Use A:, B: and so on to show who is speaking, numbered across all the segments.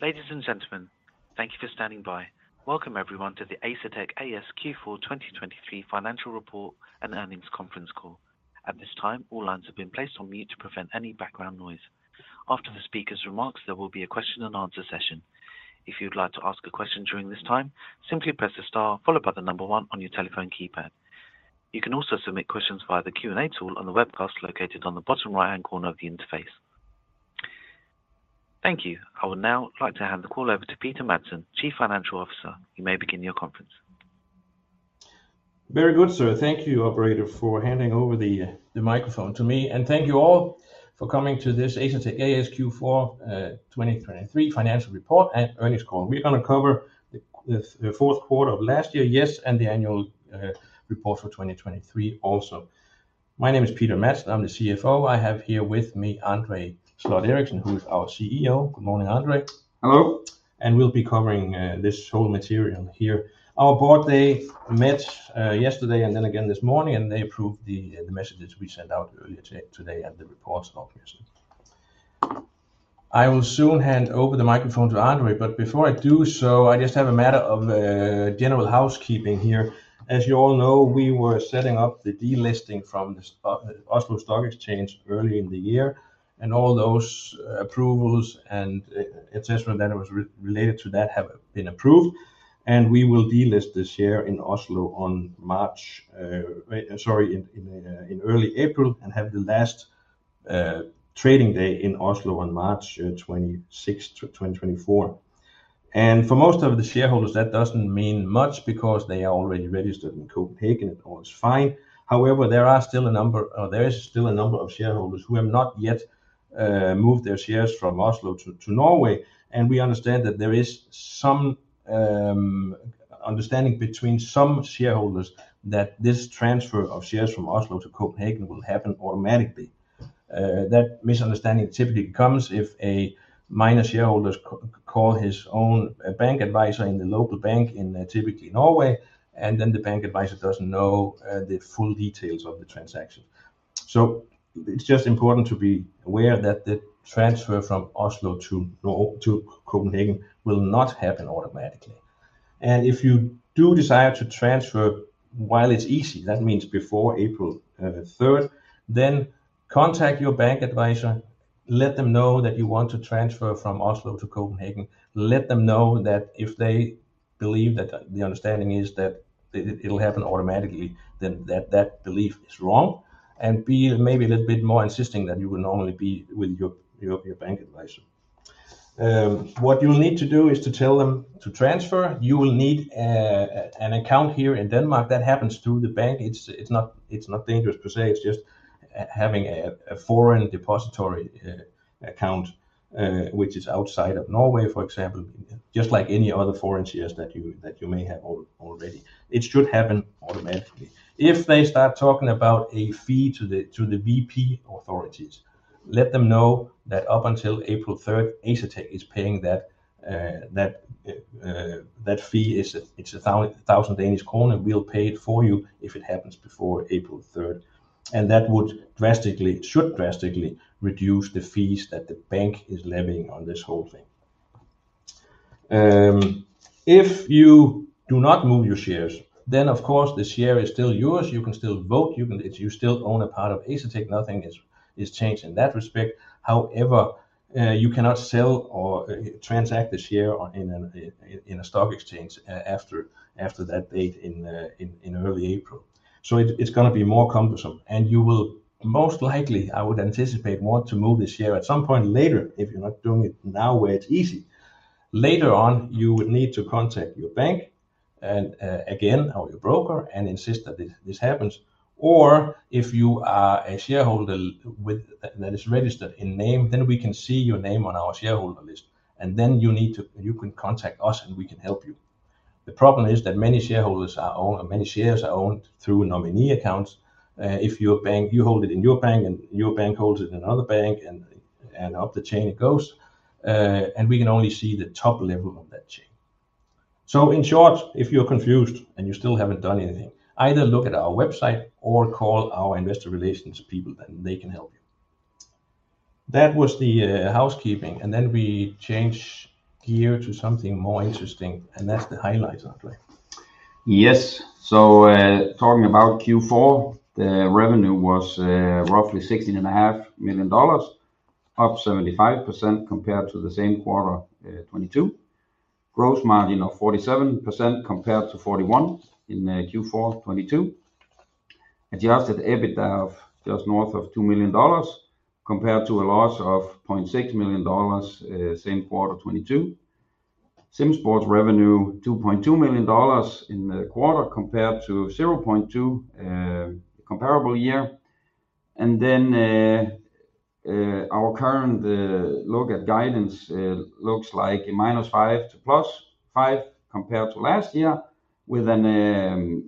A: Ladies and gentlemen, thank you for standing by. Welcome everyone to the Asetek A/S Q4 2023 Financial Report and Earnings Conference Call. At this time, all lines have been placed on mute to prevent any background noise. After the speaker's remarks, there will be a question-and-answer session. If you would like to ask a question during this time, simply press the star followed by the number one on your telephone keypad. You can also submit questions via the Q&A tool on the webcast located on the bottom right-hand corner of the interface. Thank you. I would now like to hand the call over to Peter Madsen, Chief Financial Officer. You may begin your conference.
B: Very good, sir. Thank you, Operator, for handing over the microphone to me. And thank you all for coming to this Asetek's Q4 2023 Financial Report and Earnings Call. We're going to cover the fourth quarter of last year, yes, and the annual report for 2023 also. My name is Peter Dam Madsen. I'm the CFO. I have here with me André Sloth Eriksen, who is our CEO. Good morning, André.
C: Hello.
B: We'll be covering this whole material here. Our board they met yesterday and then again this morning, and they approved the messages we sent out earlier today and the reports, obviously. I will soon hand over the microphone to André, but before I do so, I just have a matter of general housekeeping here. As you all know, we were setting up the delisting from the Oslo Stock Exchange early in the year, and all those approvals and etc. that were related to that have been approved. We will delist this share in Oslo on March, sorry, in early April, and have the last trading day in Oslo on March 26th, 2024. For most of the shareholders, that doesn't mean much because they are already registered in Copenhagen, and all is fine. However, there are still a number or there is still a number of shareholders who have not yet moved their shares from Oslo to Norway. We understand that there is some understanding between some shareholders that this transfer of shares from Oslo to Copenhagen will happen automatically. That misunderstanding typically comes if a minor shareholder calls his own bank advisor in the local bank in typically Norway, and then the bank advisor doesn't know the full details of the transaction. It's just important to be aware that the transfer from Oslo to Copenhagen will not happen automatically. If you do desire to transfer while it's easy, that means before April 3rd, then contact your bank advisor. Let them know that you want to transfer from Oslo to Copenhagen. Let them know that if they believe that the understanding is that it'll happen automatically, then that belief is wrong. And be maybe a little bit more insisting that you would normally be with your bank advisor. What you'll need to do is to tell them to transfer. You will need an account here in Denmark. That happens through the bank. It's not dangerous per se. It's just having a foreign depository account, which is outside of Norway, for example, just like any other foreign shares that you may have already. It should happen automatically. If they start talking about a fee to the VP authorities, let them know that up until April 3rd, Asetek is paying that fee. It's 1,000 Danish kroner. It will pay it for you if it happens before April 3rd. That should drastically reduce the fees that the bank is levying on this whole thing. If you do not move your shares, then, of course, the share is still yours. You can still vote. You still own a part of Asetek. Nothing is changed in that respect. However, you cannot sell or transact the share in a stock exchange after that date in early April. It's going to be more cumbersome. You will most likely, I would anticipate, want to move this share at some point later, if you're not doing it now where it's easy. Later on, you would need to contact your bank and again or your broker and insist that this happens. Or if you are a shareholder that is registered in name, then we can see your name on our shareholder list. Then you can contact us, and we can help you. The problem is that many shareholders are owned or many shares are owned through nominee accounts. If you hold it in your bank and your bank holds it in another bank, and up the chain it goes, and we can only see the top level of that chain. So in short, if you're confused and you still haven't done anything, either look at our website or call our investor relations people, then they can help you. That was the housekeeping. Then we change gear to something more interesting, and that's the highlights, André.
C: Yes. So talking about Q4, the revenue was roughly $16.5 million, up 75% compared to the same quarter 2022. Gross margin of 47% compared to 41% in Q4 2022. Adjusted EBITDA of just north of $2 million compared to a loss of $0.6 million same quarter 2022. SimSports revenue, $2.2 million in the quarter compared to $0.2 million a year ago. Our current look at guidance looks like -5% to +5% compared to last year with an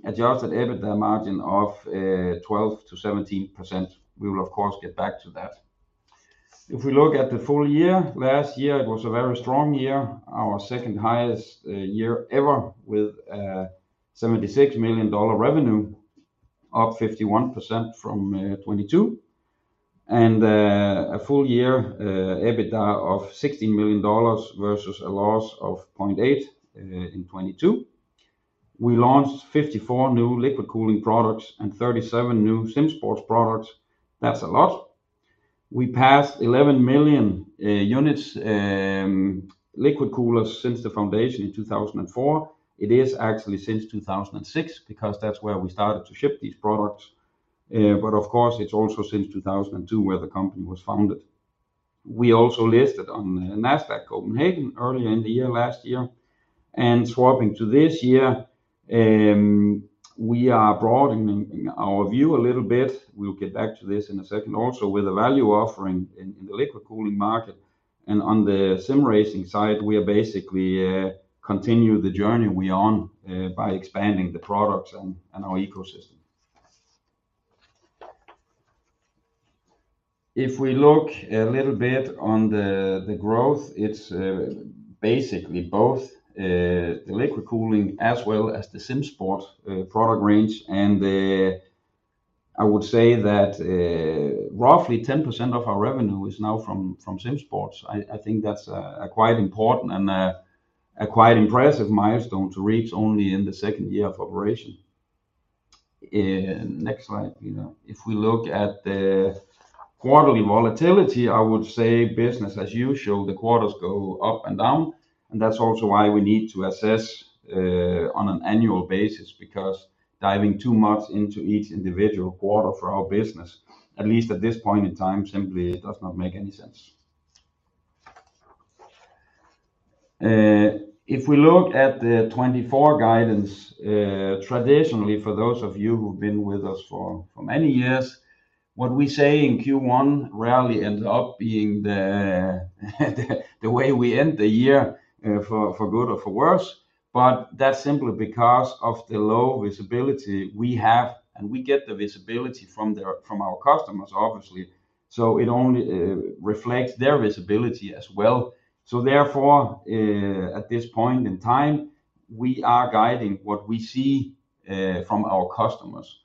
C: adjusted EBITDA margin of 12% to 17%. We will, of course, get back to that. If we look at the full year, last year, it was a very strong year, our second highest year ever with $76 million revenue, up 51% from 2022. A full year EBITDA of $16 million versus a loss of $0.8 million in 2022. We launched 54 new liquid cooling products and 37 new SimSports products. That's a lot. We passed 11 million units liquid coolers since the foundation in 2004. It is actually since 2006 because that's where we started to ship these products. But of course, it's also since 2002 where the company was founded. We also listed on Nasdaq Copenhagen earlier in the year last year. And swapping to this year, we are broadening our view a little bit. We'll get back to this in a second also with a value offering in the liquid cooling market. And on the sim racing side, we basically continue the journey we're on by expanding the products and our ecosystem. If we look a little bit on the growth, it's basically both the liquid cooling as well as the SimSports product range. And I would say that roughly 10% of our revenue is now from SimSports. I think that's a quite important and a quite impressive milestone to reach only in the second year of operation. Next slide, Peter. If we look at the quarterly volatility, I would say business as usual, the quarters go up and down. That's also why we need to assess on an annual basis because diving too much into each individual quarter for our business, at least at this point in time, simply does not make any sense. If we look at the 2024 guidance, traditionally, for those of you who've been with us for many years, what we say in Q1 rarely ends up being the way we end the year, for good or for worse. That's simply because of the low visibility we have, and we get the visibility from our customers, obviously. Therefore, at this point in time, we are guiding what we see from our customers.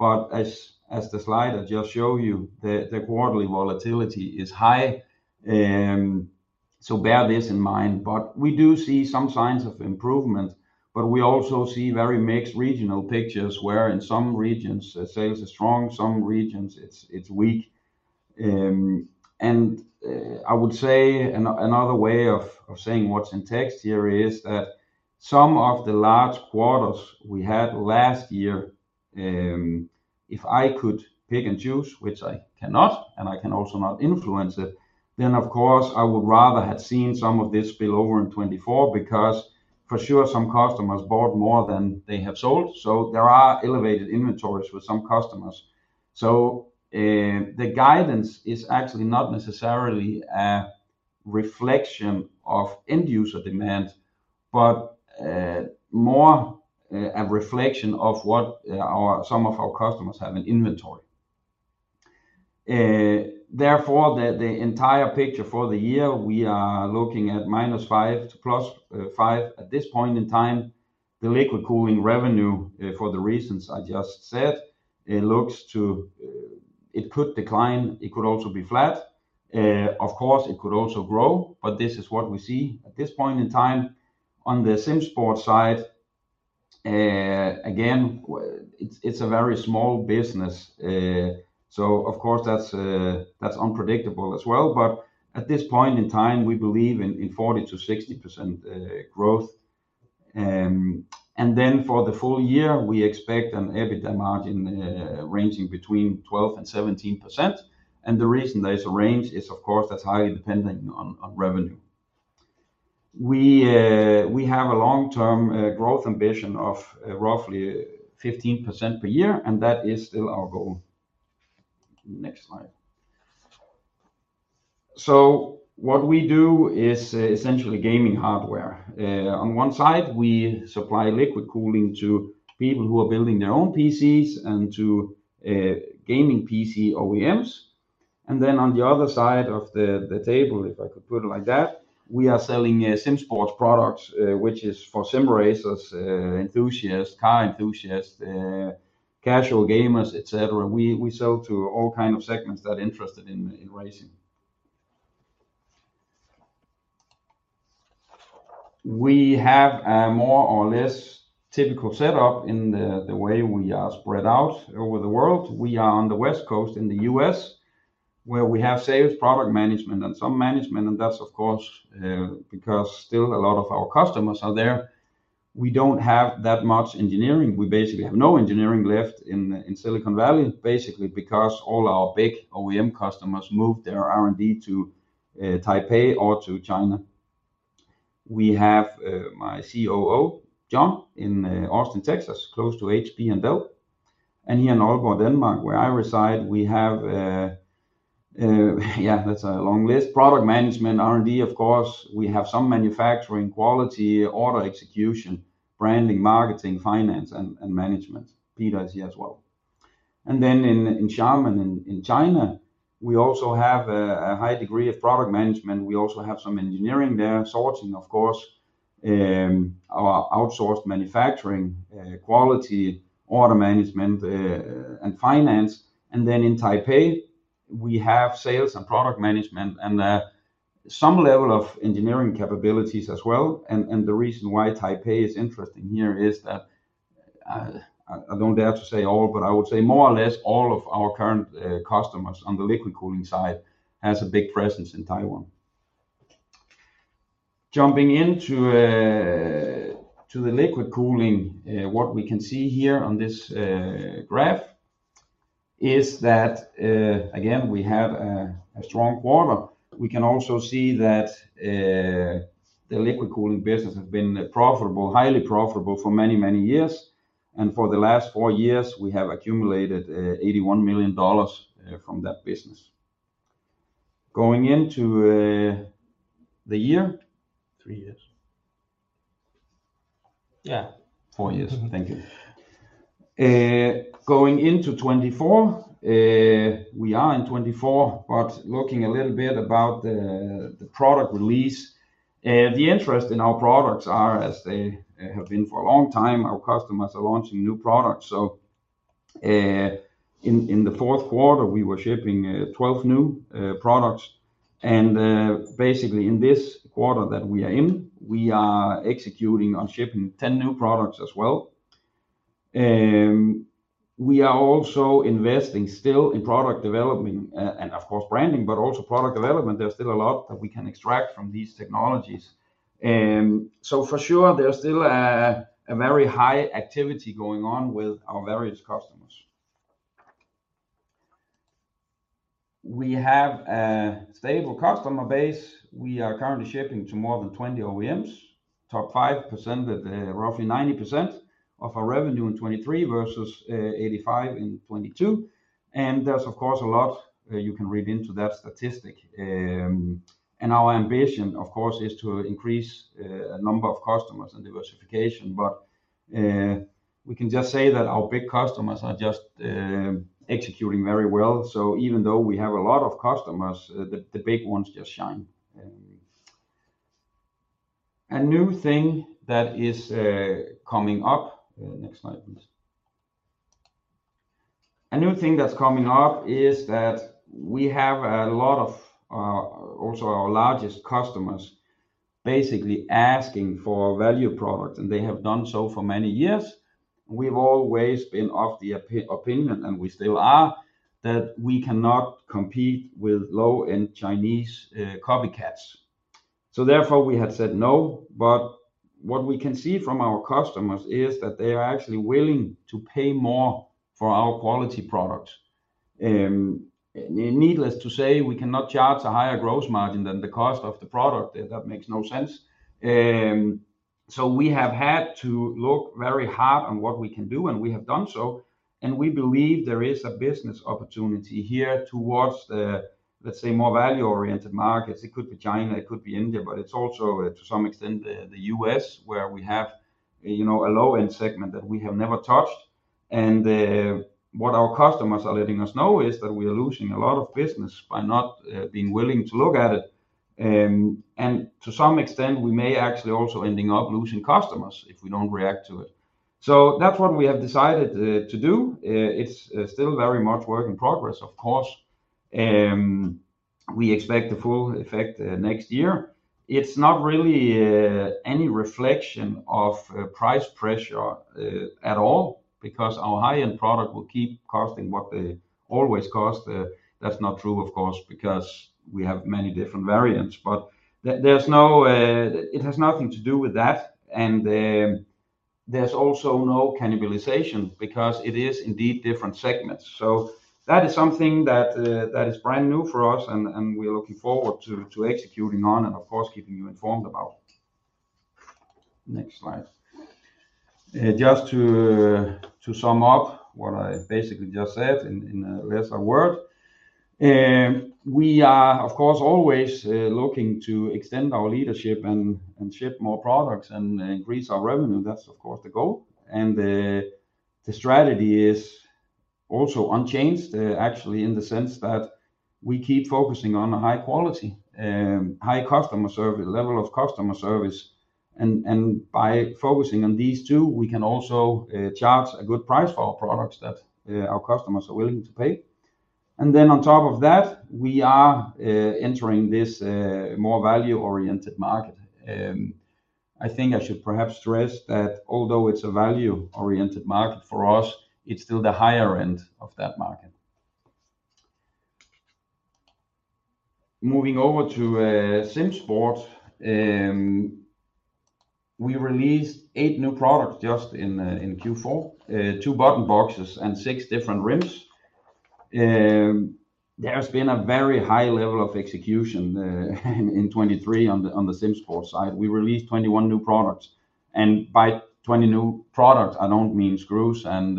C: As the slide I just showed you, the quarterly volatility is high. Bear this in mind. We do see some signs of improvement. But we also see very mixed regional pictures where in some regions, sales are strong. Some regions, it's weak. And I would say another way of saying what's in text here is that some of the large quarters we had last year, if I could pick and choose, which I cannot, and I can also not influence it, then of course, I would rather have seen some of this spill over in 2024 because for sure, some customers bought more than they have sold. So there are elevated inventories with some customers. So the guidance is actually not necessarily a reflection of end-user demand, but more a reflection of what some of our customers have in inventory. Therefore, the entire picture for the year, we are looking at -5% to +5% at this point in time. The liquid cooling revenue, for the reasons I just said, looks like it could decline. It could also be flat. Of course, it could also grow. But this is what we see at this point in time. On the SimSports side, again, it's a very small business. So of course, that's unpredictable as well. But at this point in time, we believe in 40% to 60% growth. And then for the full year, we expect an EBITDA margin ranging between 12%-17%. And the reason there is a range is, of course, that's highly dependent on revenue. We have a long-term growth ambition of roughly 15% per year, and that is still our goal. Next slide. So what we do is essentially gaming hardware. On one side, we supply liquid cooling to people who are building their own PCs and to gaming PC OEMs. And then on the other side of the table, if I could put it like that, we are selling SimSports products, which is for sim racers, enthusiasts, car enthusiasts, casual gamers, etc. We sell to all kinds of segments that are interested in racing. We have a more or less typical setup in the way we are spread out over the world. We are on the West Coast in the U.S., where we have sales product management and some management. And that's, of course, because still a lot of our customers are there. We don't have that much engineering. We basically have no engineering left in Silicon Valley, basically because all our big OEM customers moved their R&D to Taipei or to China. We have my COO, John, in Austin, Texas, close to HP and Dell. And here in Aalborg, Denmark, where I reside, we have yeah, that's a long list. Product management, R&D, of course. We have some manufacturing, quality, order execution, branding, marketing, finance, and management. Peter is here as well. And then in Xiamen in China, we also have a high degree of product management. We also have some engineering there, overseeing, of course, our outsourced manufacturing, quality, order management, and finance. And then in Taipei, we have sales and product management and some level of engineering capabilities as well. And the reason why Taipei is interesting here is that I don't dare to say all, but I would say more or less all of our current customers on the liquid cooling side has a big presence in Taiwan. Jumping into the liquid cooling, what we can see here on this graph is that, again, we have a strong quarter. We can also see that the liquid cooling business has been profitable, highly profitable for many, many years. For the last four years, we have accumulated $81 million from that business. Going into the year.
B: Three years. Yeah.
C: Four years. Thank you. Going into 2024, we are in 2024, but looking a little bit about the product release, the interest in our products are, as they have been for a long time, our customers are launching new products. So in the fourth quarter, we were shipping 12 new products. And basically, in this quarter that we are in, we are executing on shipping 10 new products as well. We are also investing still in product development and, of course, branding, but also product development. There's still a lot that we can extract from these technologies. So for sure, there's still a very high activity going on with our various customers. We have a stable customer base. We are currently shipping to more than 20 OEMs, top 5% with roughly 90% of our revenue in 2023 versus 85% in 2022. There's, of course, a lot you can read into that statistic. Our ambition, of course, is to increase a number of customers and diversification. We can just say that our big customers are just executing very well. Even though we have a lot of customers, the big ones just shine. A new thing that is coming up next slide, please. A new thing that's coming up is that we have a lot of also our largest customers basically asking for value products. They have done so for many years. We've always been of the opinion, and we still are, that we cannot compete with low-end Chinese copycats. Therefore, we had said no. What we can see from our customers is that they are actually willing to pay more for our quality products. Needless to say, we cannot charge a higher gross margin than the cost of the product. That makes no sense. So we have had to look very hard on what we can do, and we have done so. And we believe there is a business opportunity here towards, let's say, more value-oriented markets. It could be China. It could be India. But it's also, to some extent, the U.S., where we have a low-end segment that we have never touched. And what our customers are letting us know is that we are losing a lot of business by not being willing to look at it. And to some extent, we may actually also end up losing customers if we don't react to it. So that's what we have decided to do. It's still very much work in progress, of course. We expect the full effect next year. It's not really any reflection of price pressure at all because our high-end product will keep costing what they always cost. That's not true, of course, because we have many different variants. But it has nothing to do with that. And there's also no cannibalization because it is indeed different segments. So that is something that is brand new for us, and we're looking forward to executing on and, of course, keeping you informed about. Next slide. Just to sum up what I basically just said in lesser words, we are, of course, always looking to extend our leadership and ship more products and increase our revenue. That's, of course, the goal. And the strategy is also unchanged, actually, in the sense that we keep focusing on high quality, high customer service, level of customer service. By focusing on these two, we can also charge a good price for our products that our customers are willing to pay. And then on top of that, we are entering this more value-oriented market. I think I should perhaps stress that although it's a value-oriented market for us, it's still the higher end of that market. Moving over to SimSports, we released eight new products just in Q4, two button boxes and six different rims. There has been a very high level of execution in 2023 on the SimSports side. We released 21 new products. And by 20 new products, I don't mean screws and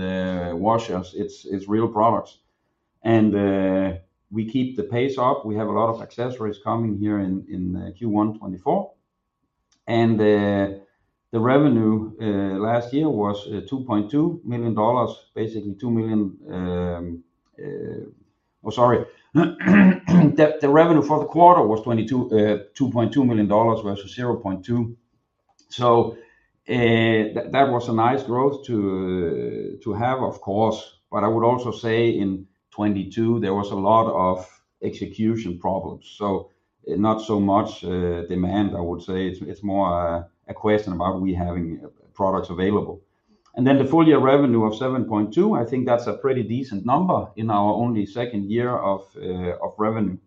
C: washers. It's real products. And we keep the pace up. We have a lot of accessories coming here in Q1 2024. And the revenue last year was $2.2 million, basically $2 million oh, sorry. The revenue for the quarter was $2.2 million versus $0.2 million. So that was a nice growth to have, of course. But I would also say in 2022, there was a lot of execution problems, so not so much demand, I would say. It's more a question about we having products available. And then the full-year revenue of $7.2 million, I think that's a pretty decent number in our only second year of revenue.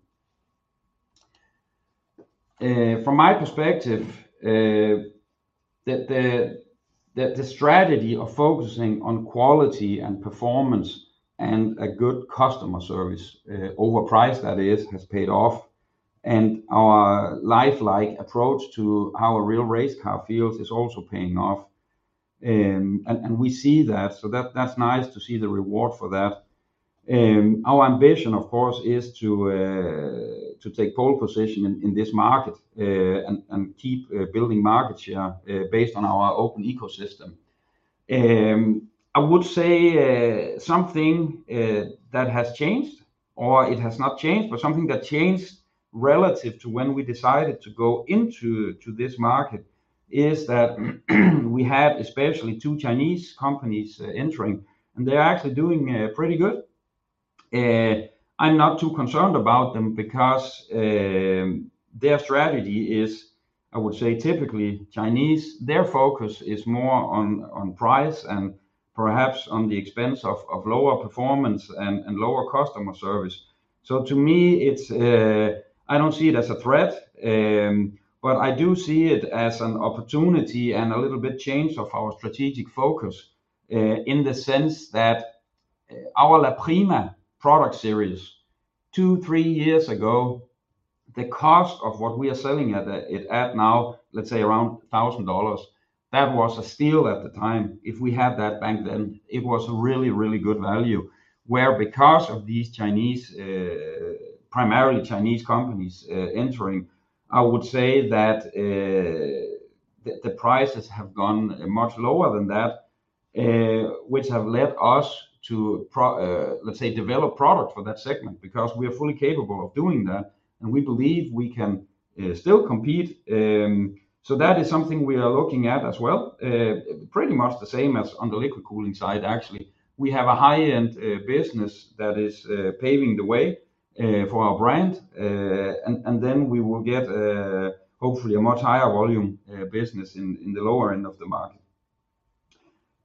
C: From my perspective, the strategy of focusing on quality and performance and a good customer service, overpriced that is, has paid off. And our lifelike approach to how a real race car feels is also paying off. And we see that. So that's nice to see the reward for that. Our ambition, of course, is to take pole position in this market and keep building market share based on our open ecosystem. I would say something that has changed or it has not changed, but something that changed relative to when we decided to go into this market is that we had especially two Chinese companies entering, and they're actually doing pretty good. I'm not too concerned about them because their strategy is, I would say, typically Chinese. Their focus is more on price and perhaps on the expense of lower performance and lower customer service. So to me, I don't see it as a threat. But I do see it as an opportunity and a little bit change of our strategic focus in the sense that our La Prima product series, two, three years ago, the cost of what we are selling at now, let's say, around $1,000, that was a steal at the time. If we had that back then, it was a really, really good value. Where because of these primarily Chinese companies entering, I would say that the prices have gone much lower than that, which have led us to, let's say, develop product for that segment because we are fully capable of doing that, and we believe we can still compete. So that is something we are looking at as well, pretty much the same as on the liquid cooling side, actually. We have a high-end business that is paving the way for our brand. And then we will get, hopefully, a much higher volume business in the lower end of the market.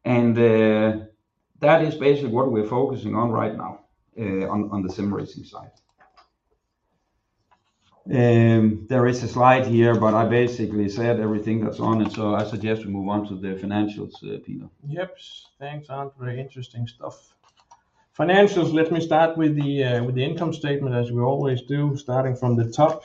C: And that is basically what we're focusing on right now on the sim racing side. There is a slide here, but I basically said everything that's on it. So I suggest we move on to the financials, Peter.
B: Yeps. Thanks, André. Very interesting stuff. Financials, let me start with the income statement, as we always do, starting from the top.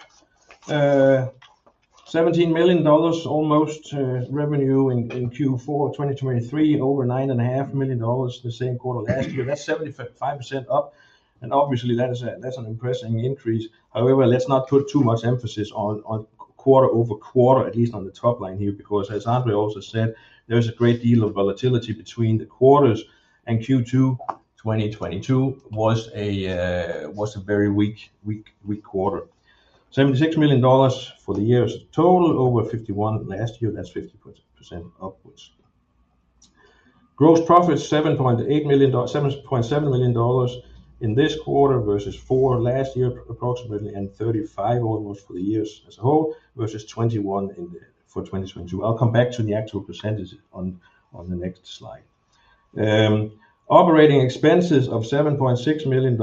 B: $17 million almost revenue in Q4 2023, over $9.5 million the same quarter last year. That's 75% up. And obviously, that's an impressive increase. However, let's not put too much emphasis on quarter-over-quarter, at least on the top line here, because as André also said, there is a great deal of volatility between the quarters. And Q2 2022 was a very weak quarter. $76 million for the year's total, over $51 million last year. That's 50% upwards. Gross profit, $7.8 million in this quarter versus $4 million last year, approximately, and 35 almost for the year as a whole versus $21 million for 2022. I'll come back to the actual percentages on the next slide. Operating expenses of $7.6 million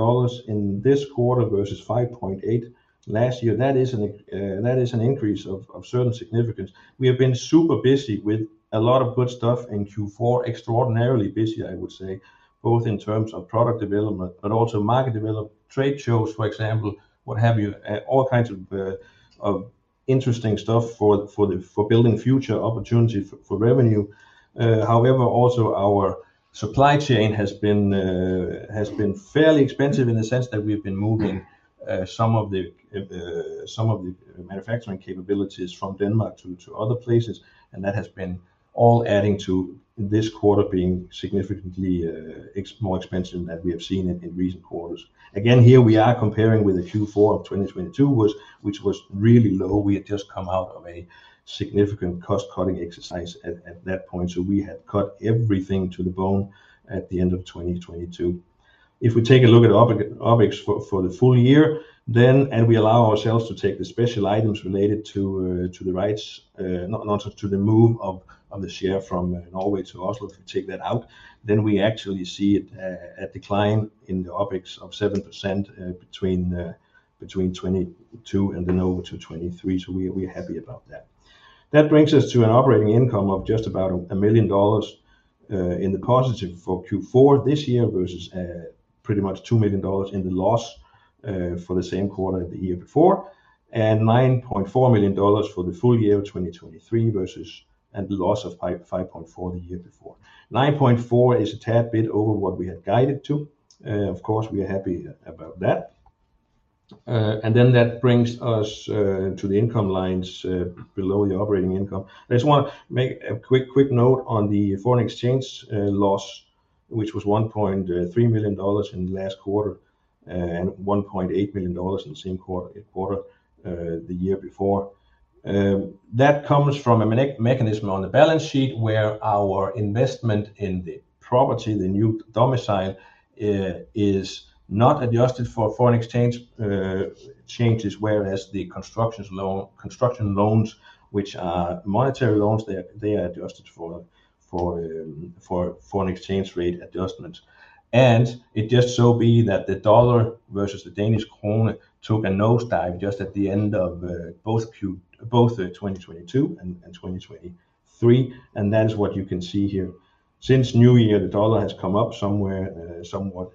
B: in this quarter versus $5.8 million last year, that is an increase of certain significance. We have been super busy with a lot of good stuff in Q4, extraordinarily busy, I would say, both in terms of product development but also market development. Trade shows, for example, what have you, all kinds of interesting stuff for building future opportunity for revenue. However, also, our supply chain has been fairly expensive in the sense that we've been moving some of the manufacturing capabilities from Denmark to other places. And that has been all adding to this quarter being significantly more expensive than we have seen in recent quarters. Again, here, we are comparing with the Q4 of 2022, which was really low. We had just come out of a significant cost-cutting exercise at that point. So we had cut everything to the bone at the end of 2022. If we take a look at OpEx for the full year, then, and we allow ourselves to take the special items related to the rights not to the move of the share from Norway to Oslo, if we take that out, then we actually see a decline in the OpEx of 7% between 2022 and then over to 2023. So we're happy about that. That brings us to an operating income of just about $1 million in the positive for Q4 this year versus pretty much $2 million in the loss for the same quarter the year before and $9.4 million for the full year of 2023 and the loss of $5.4 million the year before. 9.4 is a tad bit over what we had guided to. Of course, we are happy about that. Then that brings us to the income lines below the operating income. I just want to make a quick note on the foreign exchange loss, which was $1.3 million in the last quarter and $1.8 million in the same quarter the year before. That comes from a mechanism on the balance sheet where our investment in the property, the new domicile, is not adjusted for foreign exchange changes, whereas the construction loans, which are monetary loans, they are adjusted for foreign exchange rate adjustments. And it just so be that the dollar versus the Danish krone took a nosedive just at the end of both 2022 and 2023. That is what you can see here. Since New Year, the dollar has come up somewhere somewhat,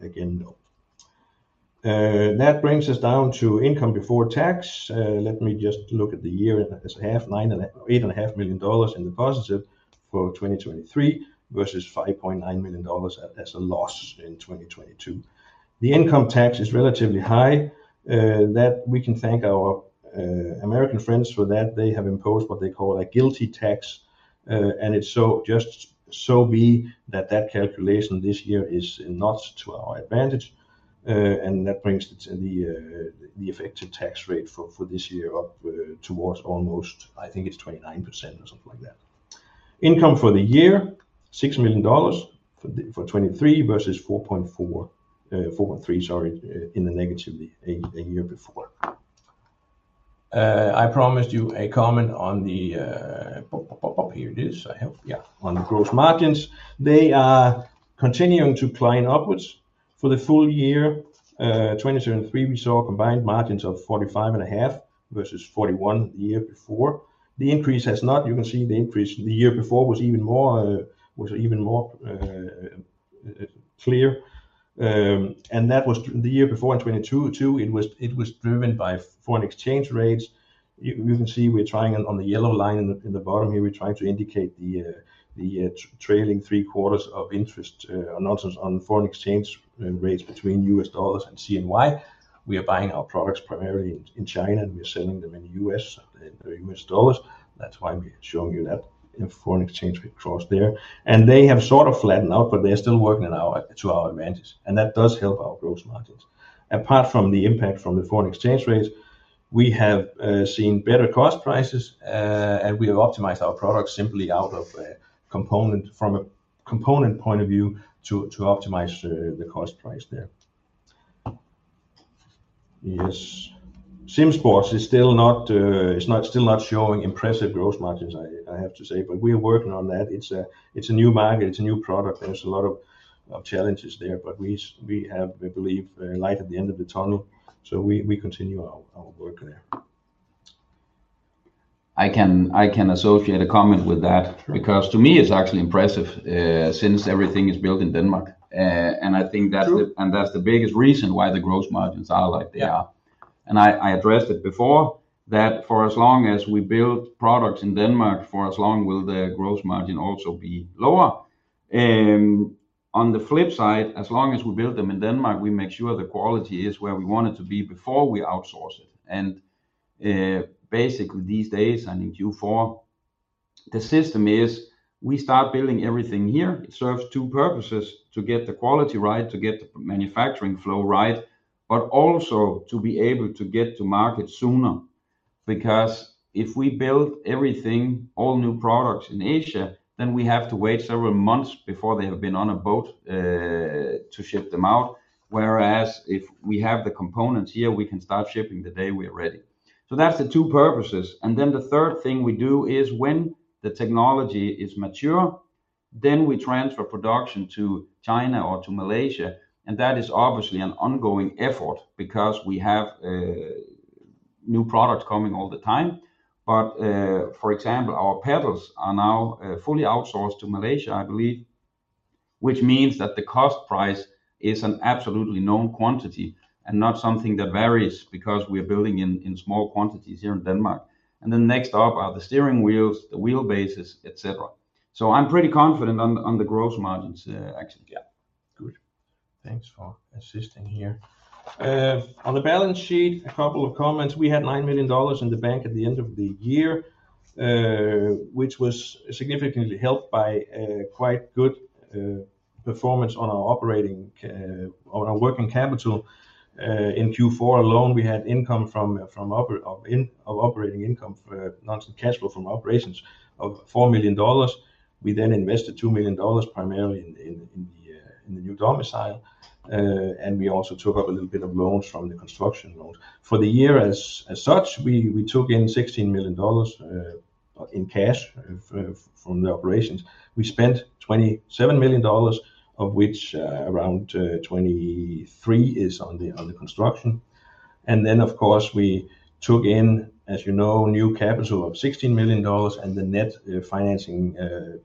B: again, up. That brings us down to income before tax. Let me just look at the year as half, $8.5 million in the positive for 2023 versus $5.9 million as a loss in 2022. The income tax is relatively high. We can thank our American friends for that. They have imposed what they call a GILTI tax. And it's just so that that calculation this year is not to our advantage. And that brings the effective tax rate for this year up towards almost, I think it's 29% or something like that. Income for the year, $6 million for 2023 versus $4.3 million, sorry, in the negative the year before. I promised you a comment on the here it is, I hope, yeah, on the gross margins. They are continuing to climb upwards for the full year. 2023, we saw combined margins of 45.5% versus 41% the year before. The increase has not—you can see the increase the year before was even more clear. The year before in 2022, too, it was driven by foreign exchange rates. You can see we're trying on the yellow line in the bottom here; we're trying to indicate the trailing three-quarters of interest or nonsense on foreign exchange rates between U.S. dollars and CNY. We are buying our products primarily in China, and we're selling them in the U.S. in U.S. dollars. That's why we're showing you that foreign exchange rate cross there. They have sort of flattened out, but they're still working to our advantage. That does help our gross margins. Apart from the impact from the foreign exchange rates, we have seen better cost prices, and we have optimized our products simply out of a component point of view to optimize the cost price there. Yes. SimSports is still not showing impressive gross margins, I have to say. But we are working on that. It's a new market. It's a new product. There's a lot of challenges there. But we have, I believe, light at the end of the tunnel. So we continue our work there.
C: I can associate a comment with that because to me, it's actually impressive since everything is built in Denmark. I think that's the biggest reason why the gross margins are like they are. I addressed it before, that for as long as we build products in Denmark, for as long will the gross margin also be lower. On the flip side, as long as we build them in Denmark, we make sure the quality is where we want it to be before we outsource it. Basically, these days, I think Q4, the system is we start building everything here. It serves two purposes: to get the quality right, to get the manufacturing flow right, but also to be able to get to market sooner. Because if we build everything, all new products in Asia, then we have to wait several months before they have been on a boat to ship them out. Whereas if we have the components here, we can start shipping the day we are ready. So that's the two purposes. And then the third thing we do is when the technology is mature, then we transfer production to China or to Malaysia. And that is obviously an ongoing effort because we have new products coming all the time. But for example, our pedals are now fully outsourced to Malaysia, I believe, which means that the cost price is an absolutely known quantity and not something that varies because we are building in small quantities here in Denmark. And then next up are the steering wheels, the wheelbases, etc. So I'm pretty confident on the gross margins, actually.
B: Yeah. Good. Thanks for assisting here. On the balance sheet, a couple of comments. We had $9 million in the bank at the end of the year, which was significantly helped by quite good performance on our working capital. In Q4 alone, we had income from operating income, net cash flow from operations of $4 million. We then invested $2 million primarily in the new domicile. We also took up a little bit of loans from the construction loans. For the year as such, we took in $16 million in cash from the operations. We spent $27 million, of which around $23 million is on the construction. Then, of course, we took in, as you know, new capital of $16 million, and the net financing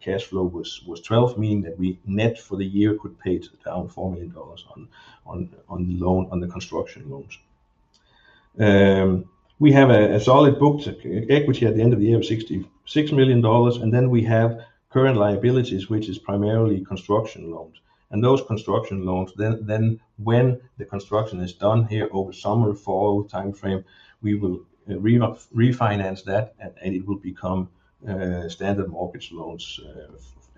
B: cash flow was $12 million, meaning that we net for the year could pay down $4 million on the construction loans. We have a solid booked equity at the end of the year of $66 million. And then we have current liabilities, which is primarily construction loans. And those construction loans, then when the construction is done here over summer/fall timeframe, we will refinance that, and it will become standard mortgage loans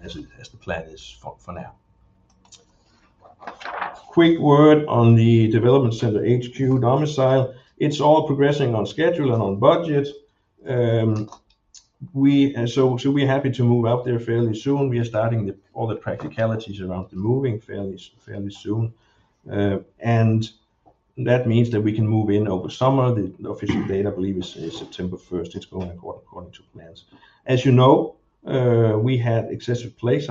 B: as the plan is for now. Quick word on the Development Center HQ domicile. It's all progressing on schedule and on budget. So we're happy to move out there fairly soon. We are starting all the practicalities around the moving fairly soon. And that means that we can move in over summer. The official date, I believe, is September 1st. It's going according to plans. As you know, we had excessive space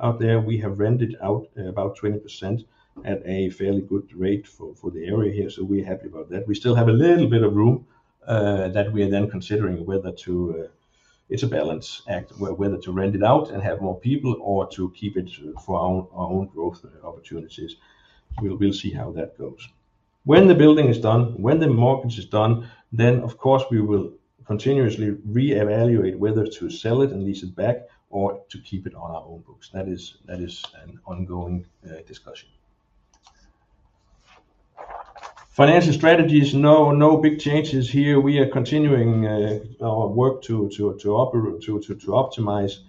B: out there. We have rented out about 20% at a fairly good rate for the area here. So we're happy about that. We still have a little bit of room that we are then considering whether to—it's a balance act—whether to rent it out and have more people or to keep it for our own growth opportunities. We'll see how that goes. When the building is done, when the mortgage is done, then, of course, we will continuously reevaluate whether to sell it and lease it back or to keep it on our own books. That is an ongoing discussion. Financial strategies, no, no big changes here. We are continuing our work to optimize.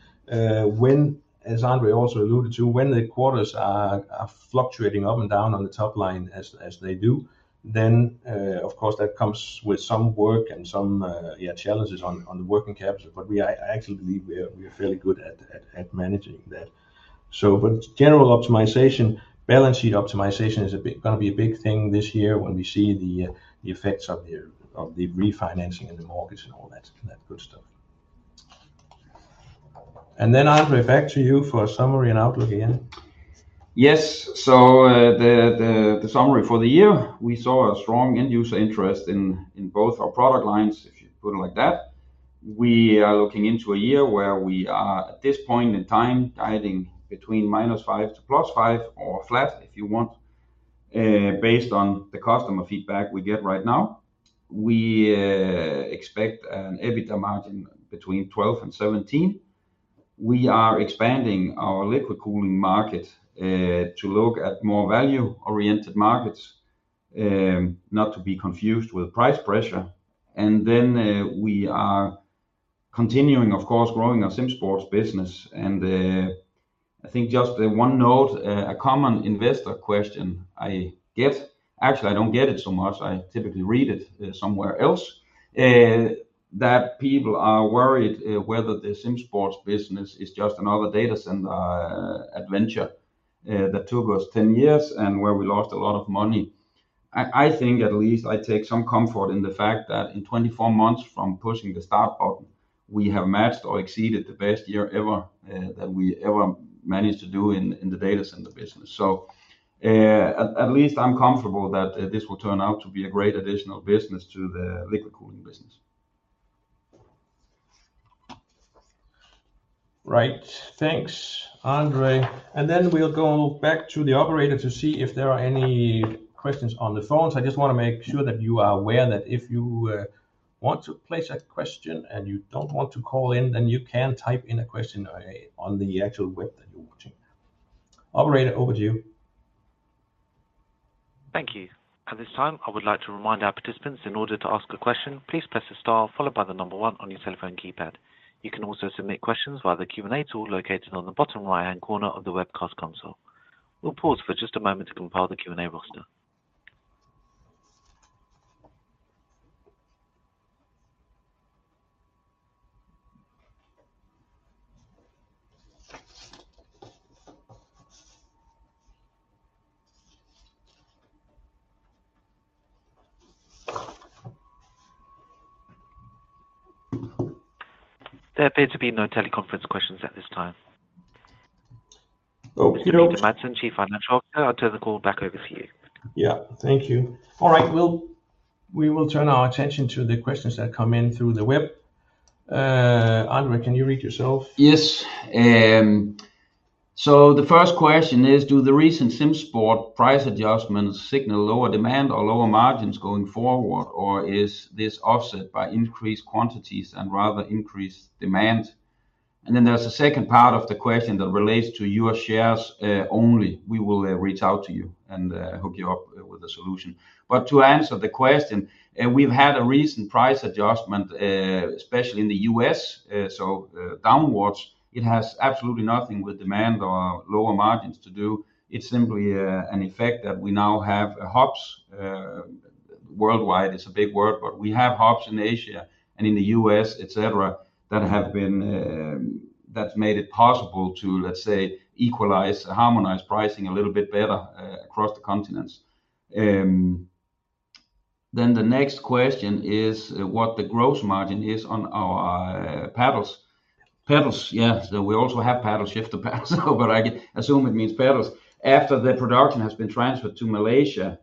B: As André also alluded to, when the quarters are fluctuating up and down on the top line as they do, then, of course, that comes with some work and some challenges on the working capital. But I actually believe we are fairly good at managing that. But general optimization, balance sheet optimization is going to be a big thing this year when we see the effects of the refinancing and the mortgage and all that good stuff. Then, André, back to you for a summary and outlook again.
C: Yes. So the summary for the year, we saw a strong end-user interest in both our product lines, if you put it like that. We are looking into a year where we are, at this point in time, guiding between -5% to +5% or flat, if you want, based on the customer feedback we get right now. We expect an EBITDA margin between 12% and 17%. We are expanding our liquid cooling market to look at more value-oriented markets, not to be confused with price pressure. And then we are continuing, of course, growing our SimSports business. And I think just one note, a common investor question I get actually, I don't get it so much. I typically read it somewhere else, that people are worried whether the SimSports business is just another data center adventure that took us 10 years and where we lost a lot of money. I think, at least, I take some comfort in the fact that in 24 months from pushing the start button, we have matched or exceeded the best year ever that we ever managed to do in the data center business. So at least I'm comfortable that this will turn out to be a great additional business to the liquid cooling business.
B: Right. Thanks, André. And then we'll go back to the operator to see if there are any questions on the phones. I just want to make sure that you are aware that if you want to place a question and you don't want to call in, then you can type in a question on the actual web that you're watching. Operator, over to you.
A: Thank you. At this time, I would like to remind our participants, in order to ask a question, please press the star followed by the number one on your telephone keypad. You can also submit questions via the Q&A tool located on the bottom right-hand corner of the webcast console. We'll pause for just a moment to compile the Q&A roster. There appear to be no teleconference questions at this time.
B: Oh, Peter.
A: Peter Madsen, Chief Financial Officer. I'll turn the call back over to you.
B: Yeah. Thank you. All right. We will turn our attention to the questions that come in through the web. André, can you read yourself?
C: Yes. So the first question is, do the recent SimSports price adjustments signal lower demand or lower margins going forward, or is this offset by increased quantities and rather increased demand? And then there's a second part of the question that relates to your shares only. We will reach out to you and hook you up with a solution. But to answer the question, we've had a recent price adjustment, especially in the U.S., so downwards. It has absolutely nothing to do with demand or lower margins. It's simply an effect that we now have hubs worldwide. It's a big word, but we have hubs in Asia and in the U.S., etc., that have been made it possible to, let's say, equalize, harmonize pricing a little bit better across the continents. Then the next question is what the gross margin is on our pedals. Pedals, yeah. So we also have pedals, shifter paddles, but I assume it means pedals. After the production has been transferred to Malaysia,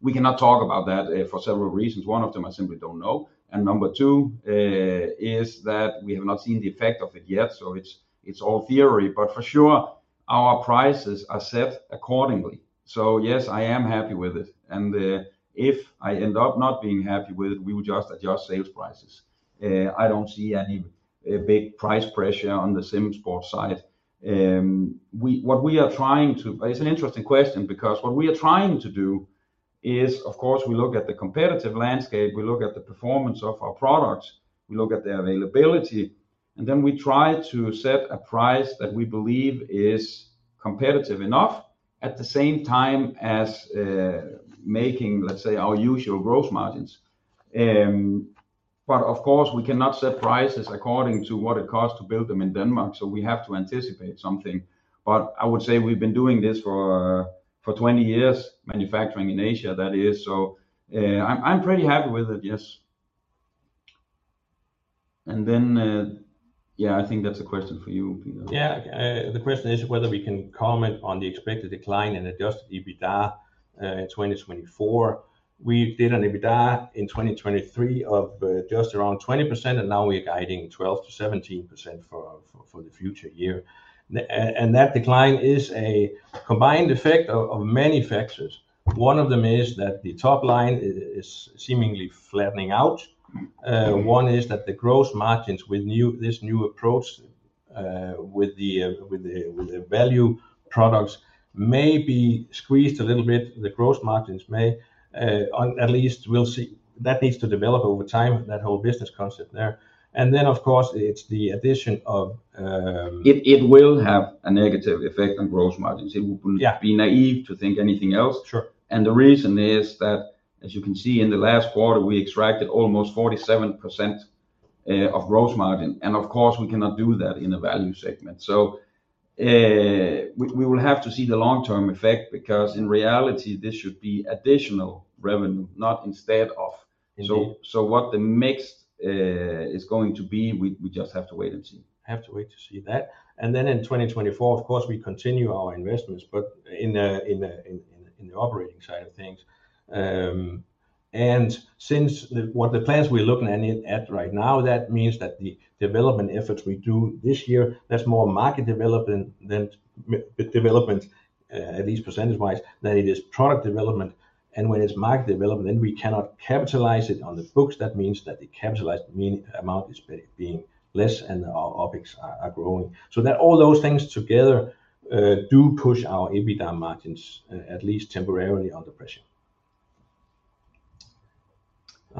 C: we cannot talk about that for several reasons. One of them, I simply don't know. And number two is that we have not seen the effect of it yet. So it's all theory. But for sure, our prices are set accordingly. So yes, I am happy with it. And if I end up not being happy with it, we will just adjust sales prices. I don't see any big price pressure on the SimSports side. What we are trying to—it's an interesting question because what we are trying to do is, of course, we look at the competitive landscape. We look at the performance of our products. We look at their availability. And then we try to set a price that we believe is competitive enough at the same time as making, let's say, our usual gross margins. But of course, we cannot set prices according to what it costs to build them in Denmark. So we have to anticipate something. But I would say we've been doing this for 20 years, manufacturing in Asia, that is. So I'm pretty happy with it, yes. And then, yeah, I think that's a question for you, Peter.
B: Yeah. The question is whether we can comment on the expected decline in adjusted EBITDA in 2024. We did an EBITDA in 2023 of just around 20%, and now we are guiding 12% to 17% for the future year. That decline is a combined effect of many factors. One of them is that the top line is seemingly flattening out. One is that the gross margins with this new approach with the value products may be squeezed a little bit. The gross margins may at least we'll see. That needs to develop over time, that whole business concept there. And then, of course, it's the addition of.
C: It will have a negative effect on gross margins. It would be naive to think anything else. The reason is that, as you can see, in the last quarter, we extracted almost 47% of gross margin. Of course, we cannot do that in a value segment. We will have to see the long-term effect because in reality, this should be additional revenue, not instead of, so what the mix is going to be, we just have to wait and see.
B: I have to wait to see that. Then in 2024, of course, we continue our investments, but in the operating side of things. And since what the plans we're looking at right now, that means that the development efforts we do this year, there's more market development, at least percentage-wise, than it is product development. And when it's market development, then we cannot capitalize it on the books. That means that the capitalized amount is being less and our OpEx are growing. So all those things together do push our EBITDA margins, at least temporarily, under pressure.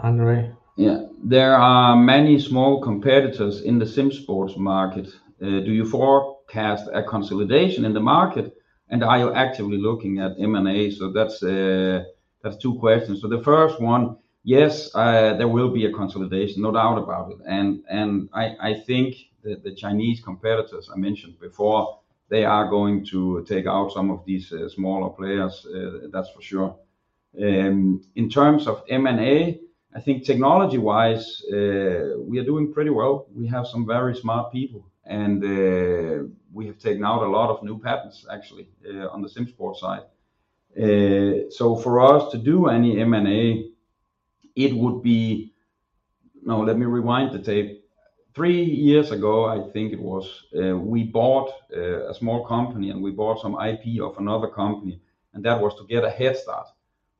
B: André.
C: Yeah. There are many small competitors in the SimSports market. Do you forecast a consolidation in the market, and are you actively looking at M&A? So that's two questions. So the first one, yes, there will be a consolidation, no doubt about it. And I think the Chinese competitors I mentioned before, they are going to take out some of these smaller players. That's for sure. In terms of M&A, I think technology-wise, we are doing pretty well. We have some very smart people, and we have taken out a lot of new patents, actually, on the SimSports side. So for us to do any M&A, it would be no, let me rewind the tape. Three years ago, I think it was, we bought a small company, and we bought some IP of another company. And that was to get a head start.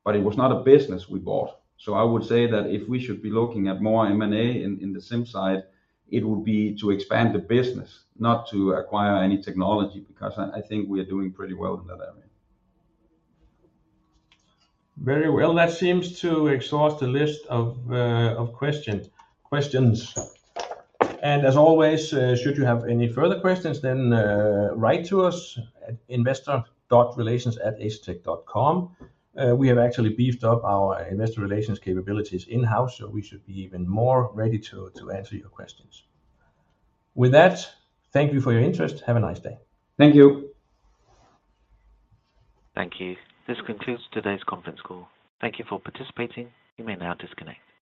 C: But it was not a business we bought. So I would say that if we should be looking at more M&A in the Sim side, it would be to expand the business, not to acquire any technology because I think we are doing pretty well in that area.
B: Very well. That seems to exhaust the list of questions. And as always, should you have any further questions, then write to us at investorrelations@asetek.com. We have actually beefed up our investor relations capabilities in-house, so we should be even more ready to answer your questions. With that, thank you for your interest. Have a nice day.
C: Thank you.
A: Thank you. This concludes today's conference call. Thank you for participating. You may now disconnect.